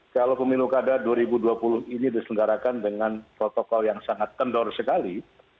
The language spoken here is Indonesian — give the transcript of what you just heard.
kalau pemilu kada dua ribu dua puluh ini diselenggarakan dengan protokol yang sangat kendor sekali